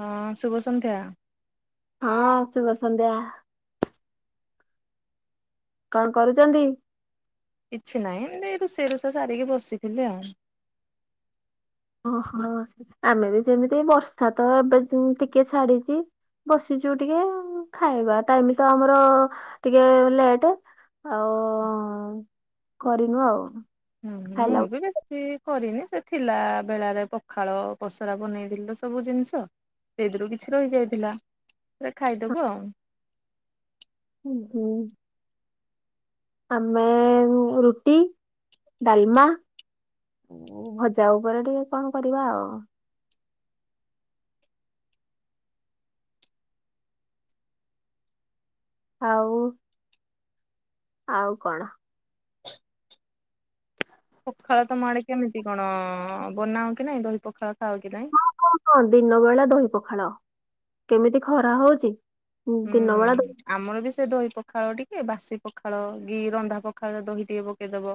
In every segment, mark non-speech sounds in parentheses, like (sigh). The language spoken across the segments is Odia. ହଁ ଶୁଭ ସନ୍ଧ୍ୟା। ହଁ ଶୁଭ ସନ୍ଧ୍ୟା। କଣ କରୁଛନ୍ତି? କିଛି ନାହିଁ ଏମିତି ରୋଷେଇ ରୁଷା ସାରିକି ବସିଥିଲି ଆଉ। ଓ ହୋ ଆମେ ବି ସେମିତି ବର୍ଷା ତ ଏବେ ଟି ଟିକେ ଛାଡିଛି। ବସିଛୁ ଟିକେ ଖାଇବା ଟାଇମ୍ ତ ଆମର ଟିକେ ଲେଟ୍। ଆଉ କରିନୁ ଆଉ। ହୁଁ ହୁଁ ମୁଁ ଖାଇଲା ବି ବେସ ସି କରିନି ସେ ଥିଲା ବେଳାରେ ପଖାଳ ପସରା ବନେଇଥିଲୁ ସବୁ ଜିନିଷ। ସେଇଥିରୁ କିଛି ରହିଯାଇଥିଲା ସେ ଖାଇଦବୁ ଆଉ। ହୁଁ ହୁଁ। ଆମେ ରୁ ରୁଟି ଡାଲମା ଭଜା ଉପରେ ଟିକେ କଣ କରିବା ଆଉ। ଆଉ ଆଉ କଣ? ପଖାଳ ତମ ଆଡେ କେମିତି କଣ ବନାଅ କି ନାଇଁ ଦହି ପଖାଳ ଖାଅ କି ନାଇଁ? ହଁ ହଁ ଦିନ ବେଳା ଦହି ପଖାଳ କେମିତି ଖରା ହଉଛି ଦିନ ହୁଁ ବେଳା ଦ ଆମର ବି ସେ ଦହି ପଖାଳ ଟିକେ ବାସି ପଖାଳ କି ରନ୍ଧା ପଖାଳ ଦହି ଟିକେ ପକେଇଦବ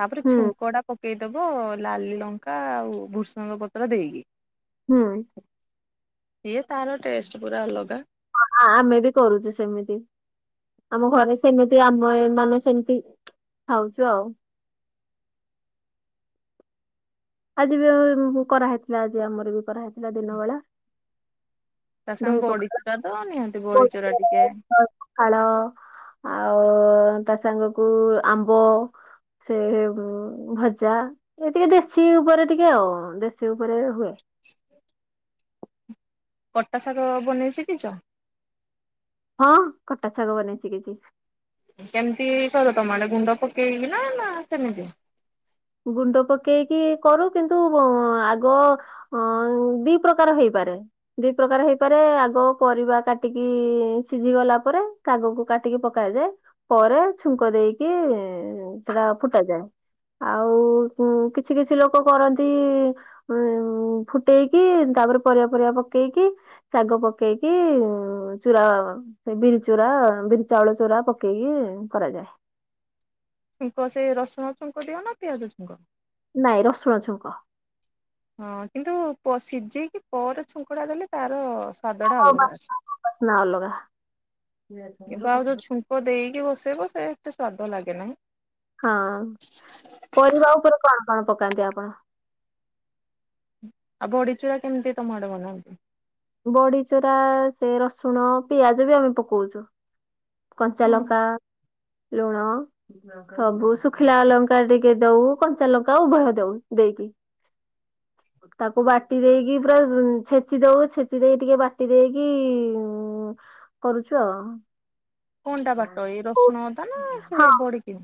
ତାପରେ ହୁଁ ଛୁଙ୍କ ଟା ପକେଇଦବ ଲାଲି ଲଙ୍କା ଆଉ ଭୃଷଙ୍ଗ ପତ୍ର ଦେଇକି। ହୁଁ ହୁଁ। ଇଏ ତାର ଟେଷ୍ଟ୍ ପୁରା ଅଲଗା। ଆମେ ବି କରୁଛୁ ସେମିତି ଆମ ଘରେ ସେମିତି ଆମେ ମାନେ ସେମିତି ଖାଉଛୁ ଆଉ ଆଜି ବି କରାହେଇଥିଲା ଆଜି ଆମର ବି କରାହେଇଥିଲା ଦିନ ବେଳା? ତା ସାଙ୍ଗେ ଦହି ପଖାଳ ବଡିଚୁରା ତ ନିହାତି ବଡିଚୁରା ଟିକେ (inaudible) ପଖାଳ ଆଉ ତା ସାଙ୍ଗକୁ ଆମ୍ବ ସେ ଭଜା ଏ ଟିକେ ଦେ ଦେଶି ଉପରେ ଟିକେ ଆଉ ଦେଶୀ ଉପରେ ହୁଏ (inaudible) କଟା ଶାଗ ବନେଇ ସିଖିଛ? ହଁ କଟା ଶାଗ ବନେଇ ଶିଖିଛି। କେମିତି କର ତମ ଆଡେ ଗୁଣ୍ଡ ପକେଇବି ନା ନା ସେମିତି ଗୁଣ୍ଡ ପକେଇକି କରୁ କିନ୍ତୁ ଆଗ ଅ ଦି ପ୍ରକାର ହେଇପାରେ ଦି ପ୍ରକାର ହେଇପାରେ ଆଗ ପରିବା କାଟିକି ସିଝି ଗଲା ପରେ ଶାଗକୁ କାଟିକି ପକାଯାଏ ପରେ ଛୁଙ୍କ ଦେଇକି ସେଟା ଫୁଟା ଯାଏ। ଆଉ କିଛି କିଛି ଲୋକ କରନ୍ତି ଉ ଫୁଟେଇକି ତାପରେ ପରିବା ପରିବା ପକେଇକି ଶାଗ ପକେଇକି ଚୁରା ସେ ବିରି ଚୁରା ବିରି ଚାଉଳ ଚୁରା ପକେଇକି କରାଯାଏ। ଛୁଙ୍କ ସେ ରସୁଣ ଛୁଙ୍କ ଦିଅ ନା ପିଆଜ ଛୁଙ୍କ ନାଇଁ ରସୁଣ ଛୁଙ୍କ ହଁ କିନ୍ତୁ ସିଝେଇକି ପରେ ଛୁଙ୍କଡା ଦେଲେ ତାର ସ୍ୱାଦଟା ଅଲଗା ଅଛି ବାସ୍ନା ଅଲଗା। କି ଆଉ ଯୋ ଛୁଙ୍କ ଦେଇକି ବସେଇବ ସେ ଏତେ ସ୍ଵାଦ ଲାଗେ ନାହିଁ ହଁ ପରିବା ଉପରେ କଣ କଣ ପକାନ୍ତି ଆପଣ? ଆଉ ବଡ଼ିଚୁରା କେମିତି ତମ ଆଡେ ବନାନ୍ତି? ବଡି ଚୁରା ସେ ରସୁଣ ପିଆଜ ବି ଆମେ ପକଉଛୁ। ହଁ କଞ୍ଚାଲଙ୍କା ଲୁଣ ସବୁ ଶୁଖିଲା ଲଙ୍କା ଟିକେ ଦଉ କଞ୍ଚା ଲଙ୍କା ଉଭୟ ଦଉ ଦେଇକି (inaudible) ତାକୁ ବାଟି ଦେଇକି ପୁରା ଛେଚି ଦଉ ଛେଚି ଦେଇକି ଟିକେ ବାଟି ଦେଇକି ଉ କରୁଛୁ ଆଉ କଣଟା ବାଟ ଏଇ ରସୁଣ ଅଦା ନା ସେ ହଁ ବଡିକି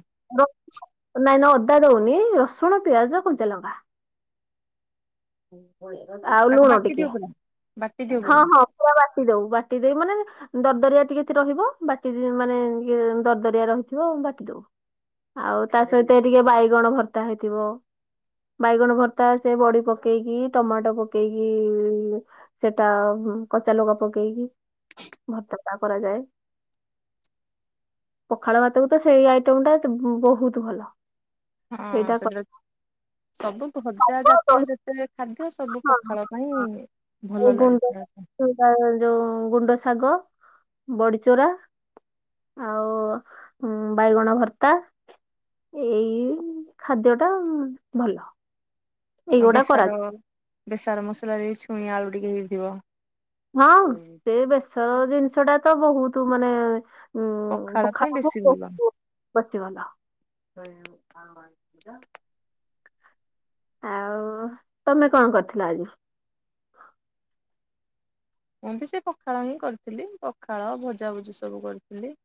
ନାଇଁ ନା ଅଦା ଦଉନି ରସୁଣ ପିଆଜ କଞ୍ଚା ଲଙ୍କା ଆଉ ତାକୁ ଲୁଣ ବାଟି ଟିକେ ଦିଅ ପୁରା ବାଟି ଦିଅ ହଁ ପୁରା ହଁ ପୁରା ବାଟି ଦଉ ବାଟି ଦେଇ ମାନେ ଦରଦରିଆ ଟିକେ ରହିବ ବାଟି ମାନେ ଦରଦରିଆ ରହିଥିବ ବାଟି ଦବ ଆଉ ତା ସହିତ ଟିକେ ବାଇଗଣ ଭର୍ତ୍ତା ହେଇଥିବ ବାଇଗଣ ଭର୍ତ୍ତା ସେ ବଡି ପ ପକେଇକି ଟମାଟୋ ପକେଇକି ସେଟା କଚା ଲଗା ପକେଇକି ଭର୍ତ୍ତା କରାଯାଏ। ପଖାଳ ଭାତକୁ ତ ସେଇ ଆଇଟମ ଟା ବହୁତ ଭଲ। ହଁ ସେଇଟା ସେ ସବୁ ଭଜା କରିବ ଜାତୀୟ ଦହି ଯେତେ ଖାଦ୍ୟ ସବୁ ହଁ ପଖାଳ ପାଇଁ ଏଇ ଭଲ ଗୁଣ୍ଡ ଲାଗିଥାଏ ତ ଯୋଉ ଗୁଣ୍ଡ ଶାଗ ବଡିଚୁରା ଆଉ ବାଇଗଣ ଭର୍ତ୍ତା ଏଇ ଖାଦ୍ୟ ଟା ଭଲ ଆ ଏଇଗୁଡା ବେସର କରାଯାଏ ବେସର ମସଲାରେ ଦେଇ ଛୁଇଁ ଆଳୁ ଟିକେ ହେଇଥିବ। ହଁ ସେ ବେସର ଜିନିଷ ଟା ତ ବହୁତ ମାନେ (inaudible) ପଖାଳ ପାଇଁ ବେଶୀ ଭଲ ଆଉ ତମେ କଣ କରିଥିଲ ଆଜି? ମୁଁ ବି ସେ ପଖାଳ ହିଁ କରିଥିଲି ପଖାଳ ଭଜାଭୁଜି ସବୁ କରିଥିଲି।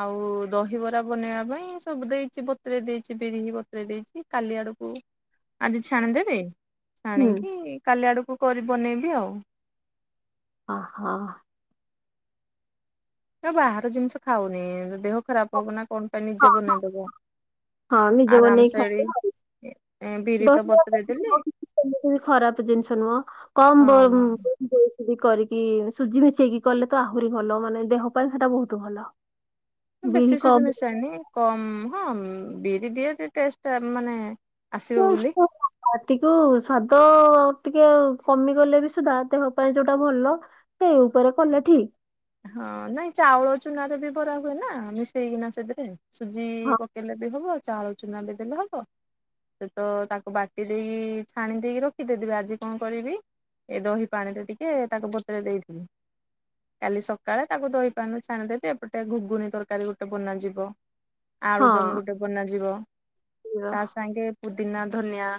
ଆଉ ଦହିବରା ବନେଇବା ପାଇଁ ସବୁ ଦେଇଛି ବତୁରେ଼ଇ ଦେଇଛି ବିରି ହ ବତୁରେଇ ଦେଇଛି କାଲି ଆଡକୁ ଆଜି ଛାଣିଦେବି ହୁଁ ଛାଣିକି କାଲି ଆଡକୁ କରି ବନେଇବି ଆଉ ହଁ। ନା ବାହାର ଜିନିଷ ଖାଉନି ଦେହ ଖରାପ ହବ ନା କଣ ପାଇଁ ନିଜେ ବନେଇଦବ। ହଁ ନିଜ ବନେଇକି ଆରାମସେ ଏଠି ଖାଇଦବ ହଁ। ଏ ବିରିତ ବତୁରେଇ ଦେଲି। ଏମିତି ବି ଖରାପ ଜିନିଷ ନୁହଁ କମ ହଁ ବି କରିକି ସୁଜି ମିଶେଇକି କଲେ ତ ଆହୁରି ଭଲ ମାନେ ଦେହ ପାଇଁ ସେଟା ବହୁତ ଭଲ। ବେଶୀ ବିରି ସୁଜି କମ ମିଶାଇନି କମ ହଁ ବିରି ଦିଏ ଟେଷ୍ଟ ମାନେ (inaudible) ଆସିବ ବୋଲି ପାଟିକୁ ସ୍ଵାଦ ଟିକେ କମିଗଲେ ବି ସୁଧା ଦେହ ପାଇଁ ଯୋଉଟା ଭଲ ସେ ଉପରେ କଲେ ଠିକ। ହଁ ନାଇଁ ଚାଉଳ ଚୁନାରେ ବି କରା ହୁଏ ନା ମିଶେଇକିନା ସେଥିରେ ସୁଜି ହଁ ପକେଇଲେ ବି ହବ ଚାଉଳ ଚୁନା ବି ଦେଲେ ହବ। ସେ ତ ତାକୁ ବାଟି ଦେଇକି ଛାଣି ଦେଇକି ରଖିଦେବି ଆଜି କଣ କରିବି? ଏ ଦହି ପାଣିରେ ଟିକେ ତାକୁ ବତୁରେଇ ଦେଇଥିବି। କାଲି ସକାଳେ ତାକୁ ଦହିପାଣିରୁ ଛାଣି ଦେଇବି ଏପଟେ ଘୁଘୁନି ତରକାରୀ ଗୋଟେ ବନାଯିବ। ହଁ ଆଳୁଦମ ଗୋଟେ ବନାଯିବ ଏଇଆ। ତା ସାଙ୍ଗେ ପୁଦିନା ଧନିଆ।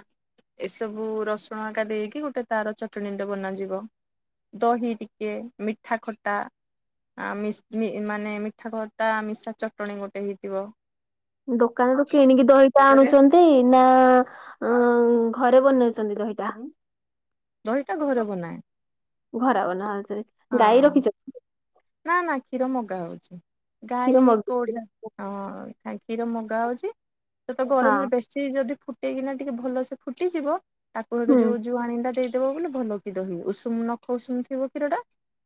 ଏସବୁ ରସୁଣ ଆଙ୍କା ଦେଇକି ଗୋଟେ ତାର ଚଟଣିଟେ ବନାଯିବ। ଦହି ଟିକେ ମିଠା ଖଟ ମାନେ ମିଠା ଖଟା ମିସା ଚଟଣି ଗୋଟେ ହେଇଥିବ। ଦୋକାନରୁ କିଣିକି ଦହିଟା ଆଣୁଛନ୍ତି ନା? ଅ ଘରେ ବନେଇଛନ୍ତି ଦହିଟା। ଦହିଟା ଘରେ ବନାଏ। ଘରେ ବନାଅ ହାତରେ ଗାଈ ହଁ ରଖିଛ? ନା ନା କ୍ଷୀର ମଗା ହଉଛି କ୍ଷୀର ଗାଈ ମଗୁ କଉଢା ହଁ ଟାଙ୍କିରୁ ମଗା ହଉଛି ସେ ତ ହଁ ଗରମରେ ବେଶ ସେ ଯଦି ଫୁଟେଇକିନା ଟିକେ ଭଲ ସେ ଫୁଟିଯିବ ତାକୁ ଗୋଟେ ହୁଁ ଯୋଉ ଜୁଆଣିଟା ଦେଇଦବ ବ ବୋଲି ଭଲ ଖିର ହ ଉଷୁମ ନଖ ଉଷୁମ ଥିବ କ୍ଷୀରଟା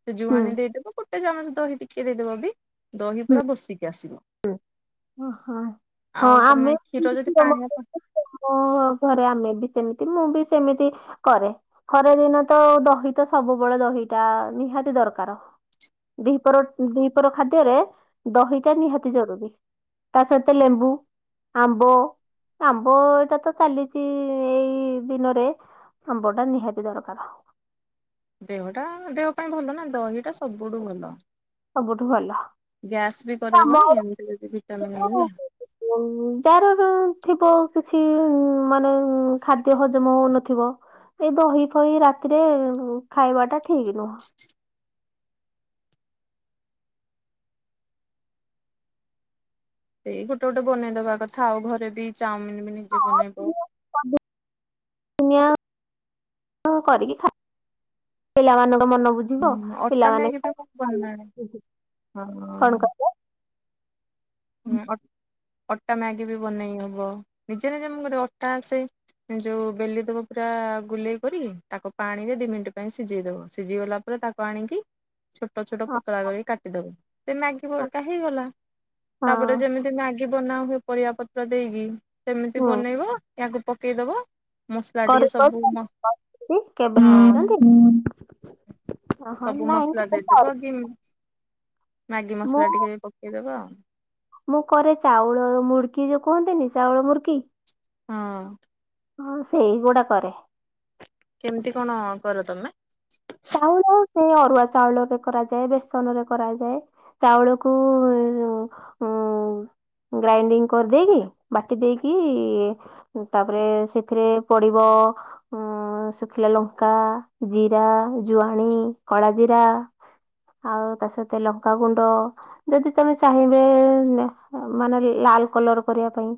ସେ ହୁଁ ଜୁଆଣି ଦେଇଦବ ଗୋଟେ ଗୋଟେ ଚାମଚ ଦହି ଟିକେ ଦେଇଦବ ବି ଦହି ପୁରା ବସିକି ଆସିବ। ହ ଓହୋ ଆଉ ହଁ ଆମେ ତମେ କ୍ଷୀର ଯଦି ପାଣିଆ ମୋ ଘରେ ଆମେ ବି ସେମିତି ମୁଁ ବି ସେମିତି କରେ। ଖରା ଦିନ ତ ଦହିଟା ସବୁବେଳେ ଦହିଟା ନିହାତି ଦରକାର। ଦିପହର ଦିପର ଖାଦ୍ୟରେ ଦହିଟା ନିହାତି ଜରୁରୀ। ତା ସହିତ ଲେମ୍ବୁ ଆମ୍ବ ଆମ୍ବ ଏଇଟା ତ ଚାଲିଛି ଏଇ ଦିନରେ ଆମ୍ବଟା ନିହାତି ଦରକାର। ଦେହଟା ଦେହ ପାଇଁ ଭଲ ନା ଦହିଟା ସବୁଠୁ ଭଲ। ସବୁଠୁ ଭଲ ଗ୍ୟାସ ବି କରେଇବନି ଏମତି ଯଦି ଭିଟାମନ୍ ମି ନା ଉ ଯାହାର ଥିବ କିଛି ମାନେ ଖାଦ୍ୟ ହଜମ ହଉନଥିବ ଏଇ ଦହି ଫହି ରାତିରେ ଖାଇବାଟା ଠିକ ନୁହଁ ସେଇ ଗୋଟେ ଗୋଟେ ବନେଇଦବା କଥା ଆଉ ଘରେ ବି ଚାଉମିନ ବି ନିଜେ ବନେଇବ ଦୁନିଆ କରିକି ଖ ପିଲାମାନଙ୍କ ମନ ବୁଝ ହୁଁ ବ ଅଟା ପିଲାମାନେ ମ୍ୟାଗି ବି ମୁଁ ବନାଏ କଣ ହଁ। କହି ଉ ଅ - ଅଟା ମ୍ୟାଗି ବି ବନେଇ ହବ ନିଜେ ନିଜେ ମୁଁ ଗୋଟେ ଅଟା ଆସେ ଯୋଉ ବେଲି ଦବ ପୁରା ଗୁଲେଇ କରି ତାକୁ ପାଣି ରେ ଦି ମିନିଟ ପାଇଁ ସିଝେଇ ଦବ ସିଝି ଗଲା ପରେ ତାକୁ ଆଣିକି ଛୋଟ ଛୋଟ ପତଳା କରିକି କାଟିଦବୁ ସେ ମ୍ୟାଗି ବରଟା ହେଇଗଲା ହଁ ତାପରେ ଯେମିତି ମ୍ୟାଗି ବନା ହୁଏ ପରିବା ପତ୍ର ଦେଇକି ସେମିତି ହୁଁ ବନେଇବ ଏହାାକୁ ପକେଇଦବ ମସଲା କରି ଟିକେ ସବୁ ମ କରୁଛନ୍ତି କେବେ ହଁ ଶ୍ କରୁଛନ୍ତି? ଓହୋ ସବୁ ନାଇଁ ମସଲା କେବେ ଦେଇଦବ ଆ କରିନି କି ମ୍ୟାଗି ମୁଁ ମସଲା ଟିକେ ପକେଇଦବା ଆଉ ମୁଁ କରେ ଚାଉଳ ମୁର୍କି ଯୋଉ କୁହନ୍ତିନି ଚାଉଳ ମୁଡକି ହଁ। ହଁ ସେଇଗୁଡା କରେ। କେମିତି କଣ କର ତମେ? ଚାଉଳ ସେ ଅରୁଆ ଚାଉଳରେ କରାଯାଏ ବେସନ୍ ରେ କରାଯାଏ ଚାଉଳ କୁ ଏଇଯଉ ଉ ଗ୍ରାଇଣ୍ଡିଙ୍ଗ୍ କରିଦେଇକି ବାଟି ଦେଇକି ତାପରେ ସେଥିରେ ପଡିବ ଉଁ ଶୁଖିଲା ଲଙ୍କା, ଜିରା, ଜୁଆଣି, କଳାା ଜିରା ଆଉ ତା ସହିତ ଲଙ୍କାାଗୁଣ୍ଡ ଯଦି ତମେ ଚାହିଁବେ ମାନେ ଲାଲ୍ କଲର୍ କରିବା ପାଇଁ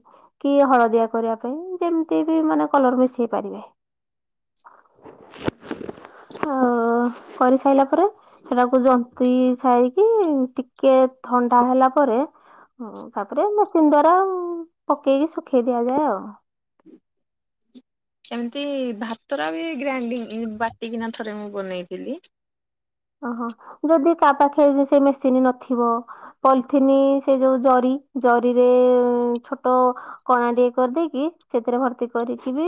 କି ହଳଦିଆ କରିବା ପାଇଁ ଯେମିତି ବି ମାନେ କଲର ମିଶେଇ ପାରିବେ। ଆଉ (inaudible) କରିସାରିଲା ପରେ ସେଟାକୁ ଜନ୍ତି ସାଇକି ଟିକେ ଥଣ୍ଡା ହେଲା ପରେ ହ ତାପରେ ମେସିନ୍ ଦ୍ଵାରା ପକେଇକି ଶୁଖେଇ ଦିଆଯାଏ ଆଉ। ସେମିତି ଭାତରା ବି ଗ୍ରାଇଣ୍ଡି ବାଟିକିନା ଥରେ ମୁଁ ବନେଇଥିଲି। ଓହୋ ଯଦି କାହା ପାଖେ ସେ ମେସିନ୍ ନଥିବ ପଲିଥିନ୍ ସେ ଯୋଉ ଜରି ଜରିରେ ଛୋଟ କଣା ଟିକେ କରିଦେଇକି ସେଥିରେ ଭର୍ତ୍ତି କରିକି ବି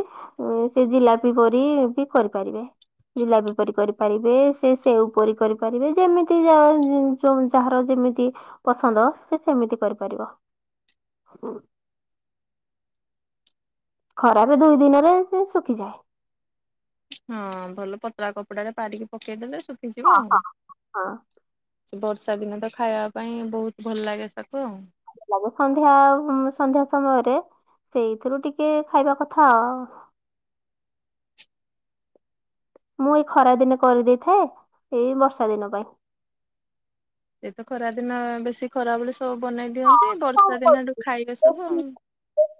ସେ ଜିଲାପି ପରି ବି କରିପାରିବେ ଜିଲାପି ପ କରିପାରିବେ ସେ ସେଉପରି କରିପାରିବେ ଯେମିତି ଯାହାର ଯେମିତି ପସନ୍ଦ ସେ ସେମିତି କରିପାରିବ ଉ। ଖରାରେ ଦୁଇ ଦିନରେ ଶୁଖିଯାଏ। ହଁ ଭଲ ପତଳା କପଡାରେ ପାରିକି ପକେଇଦେଲେ ଶୁଖିଯିବ। ହଁ ହଁ, ସେ ବର୍ଷା ଦିନ ତ ଖାଇବା ପାଇଁ ବହୁତ୍ ଭଲ ଲାଗେ ତାକୁ ଆଉ। ଲବ ସନ୍ଧ୍ୟା ଆଉ ସନ୍ଧ୍ୟା ସମୟରେ ସେଇଥିରୁ ଟିକେ ଖାଇବା କଥା ଆ ମୁଁ ଏଇ ଖରା ଦିନେ କରିଦେଇଥାଏ ଏଇ ବର୍ଷା ଦିନ ପାଇଁ। ଏତ ଖରା ଦିନ ବେଶୀ ଖରା ବେଳେ ସବୁ ବନେଇ ଦିଅନ୍ତି ବର୍ଷା ଦିନଠୁ ଖାଇବେ ସବୁ।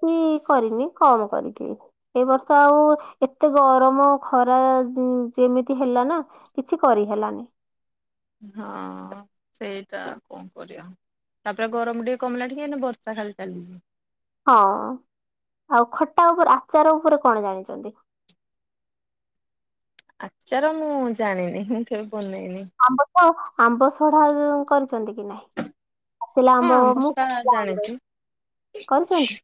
ହୁଁ କରିନି କମ୍ କରିକି। ଏ ବର୍ଷ ଆଉ ଏତେ ଗରମ ଖରା ଯେମିତି ହେଲା ନା କିଛି କରିହେଲାନି। ହଁ ସେଇଟା ଆଉ କଁ କରିବା। ତାପରେ ଗରମ ଟିକେ କମିଲା ଟିକେ ଏଇନା ବର୍ଷା ଖାଲି ଚାଲିଛି। ହଁ ଆଉ ଖଟା ଉପରେ ଆଚାର ଉପରେ କଣ ଜାଣିଛନ୍ତି? ଆଚାର ମୁଁ ଜାଣିନି ମୁଁ କେବେ ବନେଇନି। ଆମ୍ବ ତ ଆମ୍ବ ସଢା କରିଛନ୍ତି କି ନାହିଁ? ପାଚିଲା ହଁ ଆମ୍ଭ ମୁଁ ଆମ୍ବସରା କଞ୍ଚା ଆମ୍ବ ଜାଣିଛି। କରଛନ୍ତି?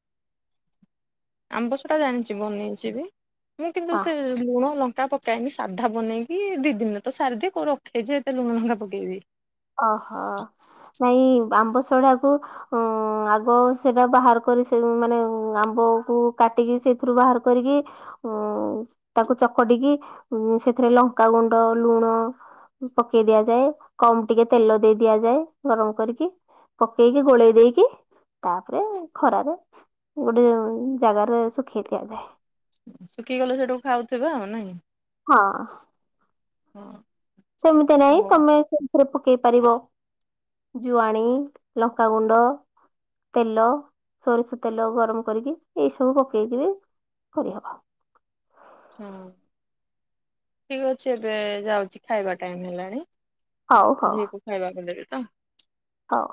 ଆମ୍ବସରା ଜାଣିଛି ବନେଇଛି ବି ମୁଁ କିନ୍ତୁ ଆ ସେ ଲୁଣ ଲଙ୍କା ପକେଏନି ସାଧା ବନେଇକି ଦି ଦିନରେ ତ ସାରିଦିଏ କୋଉ ରଖେଯେ ଏତେ ଲୁଣ ଲଙ୍କା ପକେଇବି। ଓହୋ ନାଇଁ ଆମ୍ବସଢାକୁ ହୁଁ ଆଗ ସେଟା ବାହାର କରି ସେ ମାନେ ଆମ୍ବ କୁ କାଟିକି ସେଥିରୁ ବାହାର କରିକି ହୁଁ ତାକୁ ଚକଡିକି ସେଥିରେ ଲଙ୍କାଗୁଣ୍ଡ, ଲୁଣ ପକେଇ ଦିଆଯାଏ କମ୍ ଟିକେ ତେଲ ଦେଇ ଦିଆଯାଏ ଗରମ କରିକି ପକେଇକି ଗୋଳେଇ ଦେଇକି ତାପରେ ଖରାରେ ଗୋଟେ ଜାଗାରେ ଶୁଖେଇ ଦିଆଯାଏ। ଶୁଖିଗଲେ ସେଠୁ ଖାଉଥିବେ ଆଉ ନାଇଁ। ହଁ। ହଁ ସେମିତି ନାଇଁ ହବ ତମେ ସେଥିରେ ପକେଇ ପାରିବ। ଜୁଆଣି, ଲଙ୍କାଗୁଣ୍ଡ ତେଲ ସୋରିଷ ତେଲ ଗରମ କରିକି ଏଇ ସବୁ ପକେଇକି କରିହବ। ହଁ ଠିକ ଅଛି ଏବେ ଯାଉଛି ଖାଇବା ଟାଇମ ହେଲାଣି। ହଉ ହଉ ଝିଅକୁ ଖାଇବାକୁ ଦେବି ତ। ହଉ।